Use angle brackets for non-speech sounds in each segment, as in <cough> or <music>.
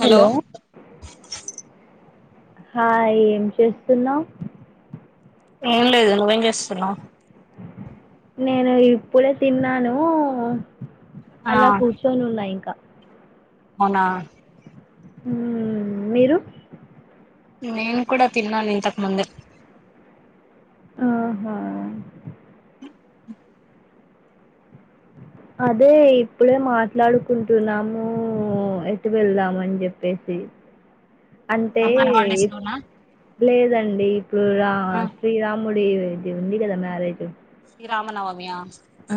Hollow hello హా ఏం చేస్తున్నావు ఏం లేదు నువ్వేం చేస్తున్నావు. నేను ఇప్పుడే తిన్నాను ఆ అలా కూర్చొని ఉన్నా ఇంకా అవునా హు మీరు నేను కూడా తిన్నాను ఇంతకు ముందే ఆహా అదే ఇప్పుడే మాట్లాడుకుంటున్నాము ఎటు వెళ్దామని చెప్పేసి అంటే సమ్మర్ హాలిడేస్ లోనా లేదండి. రా శ్రీరామ్ ముడి ఇది ఉంది కదా మ్యారేజ్ శ్రీరామనవమియా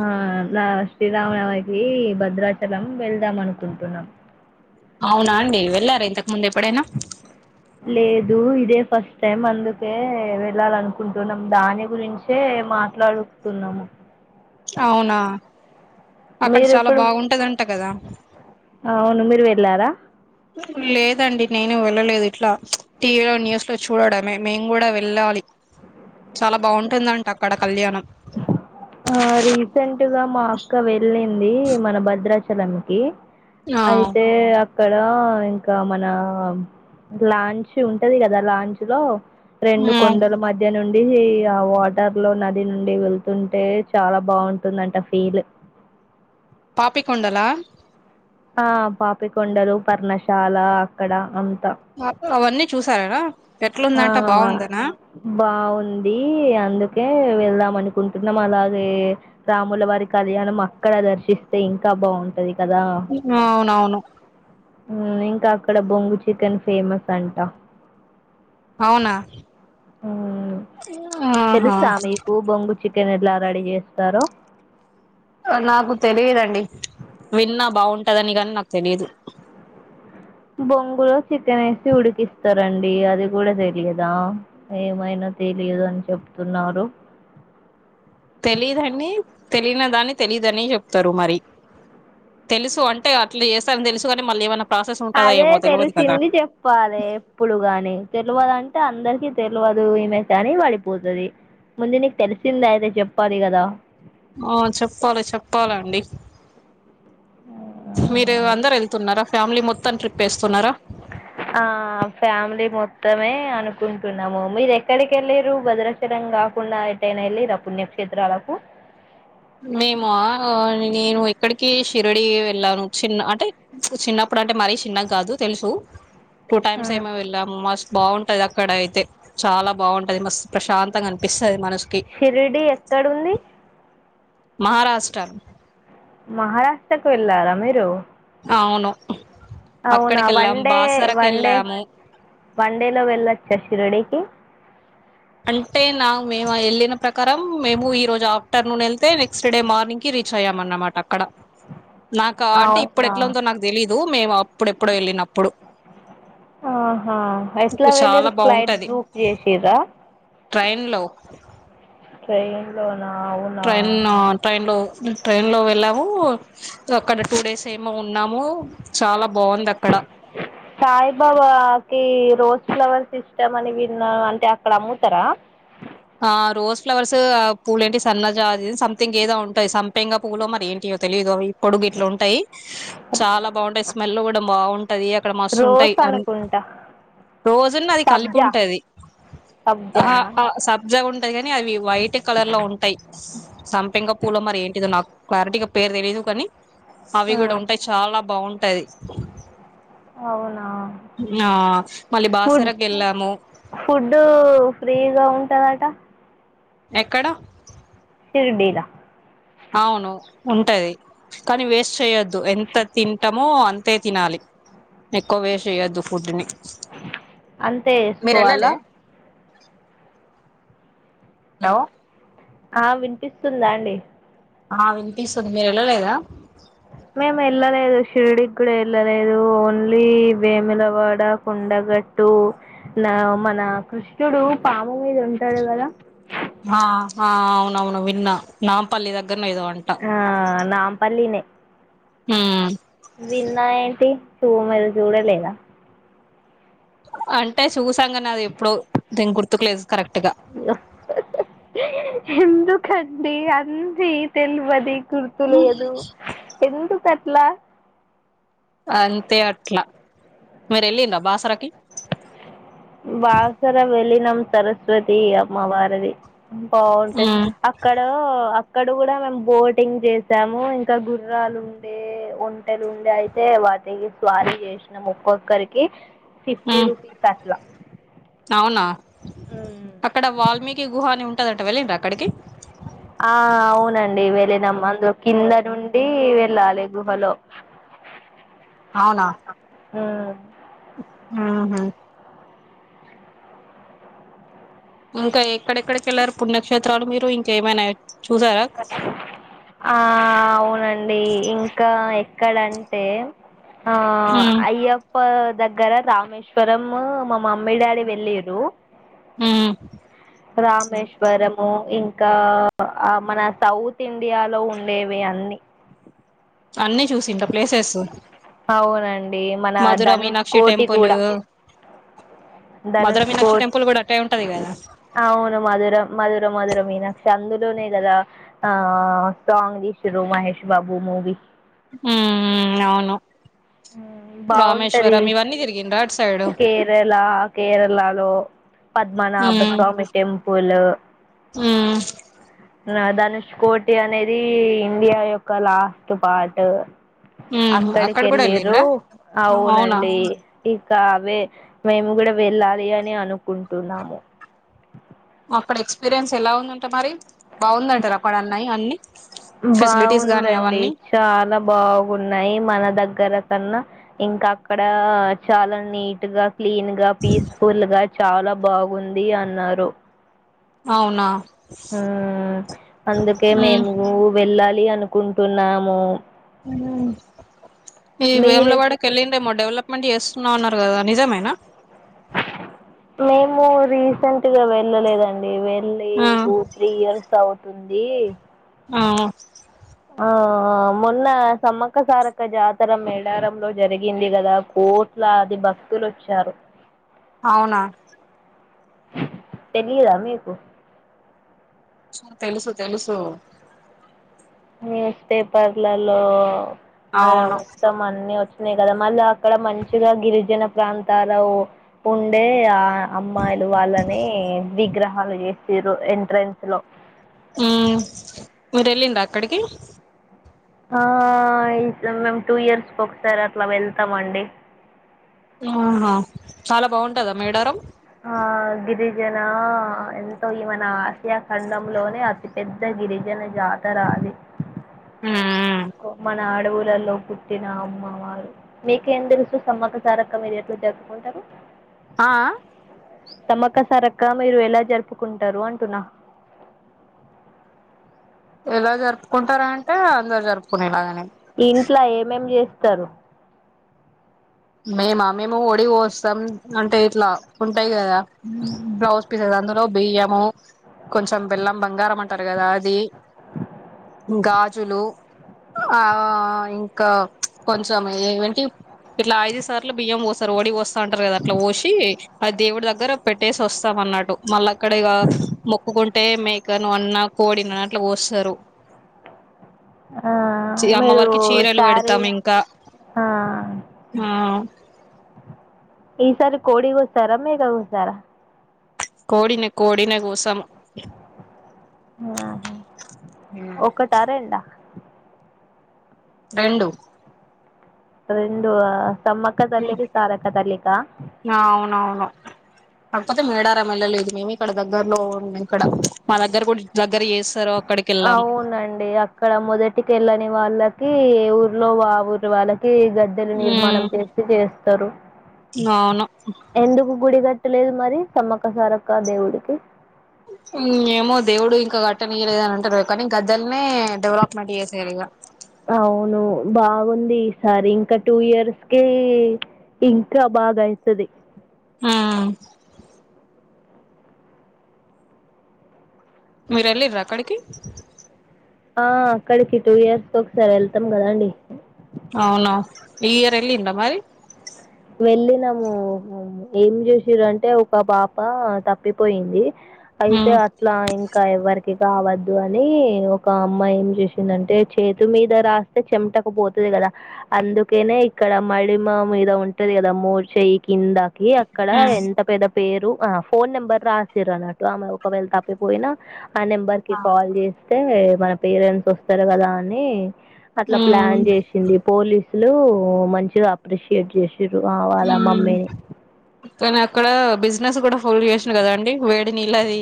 ఆలా శ్రీరామనవకి భద్రాచలం వెళ్దాం అనుకుంటున్నాం అవునా అండి వెళ్లారా ఇంతకు ముందు ఎప్పుడైనా లేదు ఇదే ఫస్ట్ టైమ్ అందుకే వెళ్ళాలనుకుంటున్నాం దాని గురించే మాట్లాడుతున్నాము అవునా అక్కడ మీరు చాలా ఎప్పుడు బాగుంటదంట కదా అవును మీరు వెళ్ళారా లేదండి నేను వెళ్ళలేదు ఇట్లా టీవీలో న్యూస్ లో చూడడమే మేము కూడా వెళ్ళాలి చాలా బాగుంటుందంట అక్కడ కళ్యాణం ఆ రిసెన్ టుగా మా అక్క వెళ్ళింది మన భద్రాచ చలంకి ఆ అయితే అక్కడ ఇంకా మన లాంచ్ ఉంటది కదా లాంచ్ లో రెండు మ్మ్ కొండల మధ్య నున్ ది ఆ వాటర్ లో నది ను నుండి వెళ్తుంటే చాలా బాగుంటుందంట ఫీల్ పాపికొండలా ఆ పాపికొండలు పర్ణశాల అక్కడ అన్ అ అవన్నీ చూసారా ఆ ఎట్లుందంట బాగుందనా బాగుంది అందుకే వెళ్దాం అనుకుంటున్నాం అలాగే రాములవారి కళ్యాణం అక్కడ దర్శిస్తే ఇంకా బాగుంటది అవునవును మ్మ్ ఇంకా అక్కడ బొంగు చికెన్ ఫేమస్ అంట అవునా మ్మ్ ఆహా కెల్లా రెడీ చేస్తారో నాకు తెలియదండి విన్నా బాగుంటదని గాని నాకు తెలిదు బొంగులో చికెన్ ఏసి ఉడికిస్తారండి అది గూడా తెలియదా ఏమైనా తెలియదు అని చెప్తున్నారు తెలీదని తెలియని దాని తెలీదని చెప్తారు మరి తెలుసు అంటే అట్లా చేస్తారని తెలుసు కాని మళ్ళీ ఏమన్నా అదే తెలిసింది చెప్పాలి ఎప్పుడు గాని తెలువదంటే అందరికి తెలువదు ఈమె కని పడిపోతది ముందు నీకు తెలిసిందైతే చెప్పాలి కదా ఆ చెప్పాలి చెప్పాలండి ఆ <unintelligible> మీరు అందరు వెళ్తున్నారా ఫ్యామిలీ మొత్తం ట్రిప్ వేస్తున్నారా ఆ ఫ్యామిలీ మొత్తమే అనుకుంటున్నాము మీరు ఎక్కడికెళ్ళిరు భద్రాచలం గాకుండా ఎటైనా ఎళ్ళిరా పుణ్యక్షేత్రాలకు మేమా నేను ఎక్కడికి షిరిడి వెళ్ళాను చిన్న అంటే చిన్నప్పుడు అంటే మరి చిన్న కాదు తెలుసు టూ టైమ్స్ ఏమో వెళ్ళాము మస్త్ బాగుం టది అక్కడయితే చాలా బాగుంటది మస్త్ ప్రశాంతంగా అనిపిస్త షిరిడి ఎక్కడుంది మహారాష్ట్ర మహారాష్ట్రకు వెళ్ళారా మీరు అవును అవునా అక్కడికి వెళ్ళాము వన్డే బాసరకి వన్ డే వెళ్ళాము వన్డేలో వెళ్ళొచ్చా షిరిడికి అంటే నా మేము ఎళ్ళినమ్ ప్రకారం మేము ఈ రోజు ఆఫ్టర్నూన్ ఎళ్తే నెక్స్ట్ డే మార్నింగ్ కి రీచ్ అయ్యాం అన్నమాట అక్కడ నాకా అంటే ఇప్పుడు అవునా ఎట్లుందో నాకు తెలీదు మేము అప్పుడెప్పుడో వెళ్ళినప్పుడు ఆహా ఎట్లా చాలా వెళ్లిరు ఫ్లైట్ బాగుంటది బుక్ జెసిర్రా ట్రైన్ లో ట్రైన్ లోనా అవునా ట్రైన్ ట్రైన్ లో ట్రైన్ లో వెళ్ళము అక్కడ టూ డేస్ ఏమో ఉ న్నాము సాయిబాబకి రోజ్ ఫ్లవర్స్ ఇష్టం అని విన్నా అంటే అక్కడ అమ్ముతారా ఆ రోజ్ ఫ్లవర్స్ ఆ పూలే ఏంటి సన్నజా సంథింగ్ ఏదో ఉంటాయి సంపంగా పూవు లో మరి ఏంటియో తెలియదు పడుగుట్లు ఉంటాయి చాలా బాగుంటాయి స్మెల్ కూడా బాగుంటది అక్కడ మస్తు ఉంటాయి రోస్ అ అనుకుంటా రోజున్ను అది కలిపి సబ్జా ఉంటది ఆ సబ్జానా ఆ శాప్ ఉంటది గానీ అవి వైట్ కలర్ లో ఉంటయి సంపెంగ పూలో మరి ఏంటిదో నాకు క్లారీటిగా పేరు తెలీదు కానీ అవి కూడా ఉమ్, ఉంటాయి చాలా బాగుం ట్టది అవును ఆ మళ్ళీ ఫుడ్ బాసరకు వెళ్ళాము ఫుడ్ ఫ్రీగా ఉంటుందట ఎక్కడ సిరిడీలా అవును ఉంటది కానీ వేస్ట్ చేయొద్దు ఎంత తింటాం ఏమో అంతే తినాలి ఎక్కువ వేస్ట్ చేయొద్దు ఫుడ్ ని అంతే వేసుకోవాలా హలో ఆ వినిపిస్తుందా అండి ఆ వినిపిస్తుంది మీరు వెళ్ళలేదా మేము వెళ్ళలేదు షిరుడికి కూడా వెళ్ళలేదు ఓన్లీ వేములవాడ కుండగట్టు నా మన కృష్ణుడు పా భూమి మీద ఉంటాడు కదా ఆ ఆ అవునవును విన్న నాంపల్లి దగ్ ఆ నాంపల్లిినే హ విన్నా ఏంటి తూ మీరు చూడలేదా అంటే చూసాంగానీ అది ఎప్పుడో దింకుడు తలే ఆ హందుకడి అన్ తెలుపది తర్తులే అదు ఎందు త పట్లా అంతే అట్లా మీరు వెళ్ళిండ బాసరకి చిం సరస్వతి అమ్మ భారతి బాగుంటాది ఉమ్ అక్కడ ఇక్కడ కూడా మేము బోటింగ్ చేసాము ఇంకా గుర్రాలు ఉండే ఒంటెలు ఉండే అయితే వాటి స్వారీ చేసినాము ఒక్కొక్కరికి ఫిఫ్టీ ఉమ్ రూపీస్ తలా అవునా అక్కడ వాల్మీకి గుహ అని ఉంటదంట వెళ్ళిండ అక్కడికి నండి వెళ్ళిన అందులో కింద నుండి వెళ్ళాలి గుహలో అ ఆ ఇంకా ఎక్కడెక్కడికి వెళ్లారు పుణ్యక్షేత్రాలు మీరు ఇంకేమైనా చూసారా ఆ అవునండి ఇంకా ఇక్కడంటే ఆ ఉమ్ అయ్య అప్ప దగ్గర రామేశ్వరం మా మమ్మీ డాడీ వెళ్ళరు హ రామేశ్వరము ఇంకా ఆ మన సౌత్ ఇండియాలో ఉండేవి అన్నీ అన్నిీ చూసింట ప్లేసెస్ అవునడి మన మధుర ధనుష్ మీనాక్షి కోటి టెంపుల్ కూడా మధుర ధనుష్ మీనాక్షి కోటి టెంపుల్ కూడా అట్టే ఉంటది కదా అవును మధుర మధుర మధర మధుర మీనాక్ష అందులోనే కదా ఆ సాంగ్ తీసి్ర మహేష్ బాబు మూవీ హ అవును బాగుంటది రామేశ్వరం ఇవన్నీ తిరిగిండ్రా అటు సైడ్ కేరళ కేరళలో పద్మనాభ స్వామి టెంపుల్ ఉ ధనుష్ కోటి అనేది ఇండియా యొక్క లాస్ట్ పార్ట్ ఉమ్ అక్కడ అక్కడికి కూడా ఎల్లిరు వెళ్ళిండ్రా అవునా అవునండి అవే మేము గూడా వెళ్ళాలి అని అనుకుంటున్నాము అక్కడ ఎక్స్పీరియన్స్ ఎలా ఉందంటా మరి బాగుందంటారు అక్కడ అన్నాయి అన్ని ఫెసిలిటీస్ గానీ బాగుందండి అవన్నీ చాలా బాగున్నాయి మన దగ్గర ర కన్నా ఇంకా అక్కడ చాలా నీట్ గా క్లీన్ గా పీస్ఫుల్ గా చాలా బాగుంది అన్నారు అవునా అందుకే ఉమ్ మేము గూ వెళ్ళాలి అనుకుంటున్నాము ఊ ఈ మీరు వేమ్లవాడ కెల్లిండ్ర డెవలప్మెంట్ జేస్తున్నా అన్నారు గదా నిజమేనా మేము రీసెంట్గా వెళ్ళలేదండి ల్లి ఆ టు త్రీ ఇయర్స్ అవుతు అండి ఆ ఆ మొన్న సమ్మక్క సారక్క జాతర మేడారంలో జరిగింది కదా కోట్లాది భక్తులు వచ్చారు అవునా తెలిదా మీకు తెలుసు తెలుసు న్యూస్ పేపర్లలో అ అవును మొత్తం అన్ని వచ్చా న్నాయి కదా మళ్ళీ అక్కడ మంచిగా గిరిజన ప్రాంతాల ఉండే ఆ అమ్మాయిలు వాళ్ళనే విగ్రహ అలాజేసిరు ఎంట్రెన్స్ లో మీరు యెళ్ళిండ అక్కడికి మేము టూ ఇయర్స్కి ఒకసారి అట్లా వెళ్తామండి ఆహా చాలా బాగుంటదా మేడారం ఆ గిరీ జన ఎంతో ఈ మన ఆసియా ఖండంలోనే అతి పెెద్ద గిరిజన జాతర అది మ్మ్ మన ఆడు ల్లలో పుట్టిన అమ్మవారు మీకేం తెలుసు సమ్మక సారక్క మీరెట్ల జరుపుకుంటారు ఆ సమక్క సారక్క మీరు ఎలా జరుపుకుంటారు అంటున్న ఎలా జరుపుకుంటార అంటే అందరు జరుపుకునేలాగని ఇంట్లో ఏజే తరు మేమా మేము ఒడి వోస్తాం, అంటే ఇట్లా ఉంటాయి కదా బ్లౌజ్ పిసేస్ అందు బియ్యము, కొంచెం బెల్లం, బంగారం అంటారు. కదా అది గాజులు, ఆ ఇంకా కొంచెం ఏంటి ఇట్లా ఐదు సార్లు బియ్యం పోస్తారు. ఓడి పోస్తా అంటారు కదా, అట్లా పోసి ఆ దేవుడి దగ్గర పెట్టేసి వస్తాం అన్నట్టు మళ్ళా అక్కడిగా మొ కుకుంటే మేకను అన్న కోడినన్న అట్లా కోస్తారు ఆ మీరు అమ్మవారికి చీరలు సారీ పెడతాం ఇంకా ఆ ఆ ఈసారి కోడి కోసార మేక కోసార కోడినే కోడినే కోసము ఆహా ఒకటా రెండా రెండు రెండు ఆ సమ్మక్క తల్లికి సారక్క తల్లికా అవునవును కాకపోతే మేడారం వెళ్ళలేదు, మేము ఇక్కడ దగ్గరలో ఉన్న ఇక్కడ మా దగ్గర కూడా జరుగ్ అవునండి అక్కడ మొదటికెళ్ళని వాళ్ళకి కి ఊర్లో ఆ ఊరు వాళ్ళకి గద్దెలు ఉమ్ నిర్మాణం చేసి చేస్తారు అవును ఎందుకు గుడి గట్ లేదు మరి సమ్మక్క సారక్క దేవుడికి ఏమో దేవుడు ఇంకా కట్టనీయలేదని అంటారు. కానీ గద్దలనే డెవలప్మెంట్ చేసారు ఇగా అవును బాగుంది. ఈసారి ఇంకా టూ ఇయర్స్ కి, ఇంకా బాగా అయితది. ఆ మేరెల్లిన్ర అక్కడికి ఆ అక్కడికి టూ ఇయర్స్ ఒకసారి వెళ్తాం కదండి అవును ఈ ఇయర్ ఎల్లిండ్రా మరి ఏమి చేసిరంటే ఒక పాప తప్పిపోయింది అయితే అట్లా ఇంకా ఎవర్ కావద్దు అని ఒక అమ్మ ఏం చేసిందంటే, చేతు మీద రాస్తే చెమటకపోతది కదా, అందుకేనే ఇక్కడ మడమ మీద ఉంటే టది కదా మోచేయి కిందకి అక్కడ ఎంత పెద్ద పేరు ఆ ఫోన్ నెంబర్ రాసిర్రు అన్నట్టు ఆమె ఒకవేళ తప్పిపోయినా ఆ నెంబర్ కి కాల్ చెస్ అయితే మన పేరెంట్స్ వస్తారు కదా అని అట్లా ప్లాన్ చేసింది పోలీస్ అసలు మంచిగా అప్రిషియేట్ చేసి ఉమ్ కానీ అక్కడ బిజినెస్ కూడా ఫుల్ చేసిన కదండి, వేడి నీళ్లది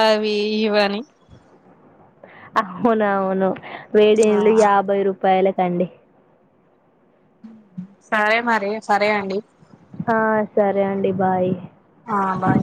అవి ఇవనీ అవును, అవును. వేడి నీళ్ళు యాభై రూ పాయల కండి. సరే మరి, సరే అండి. ఆ సరే అండి బాయ్. ఆ బాయ్